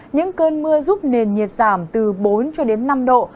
những cơn mưa giúp nền nhiệt giảm từ bốn cho đến năm độ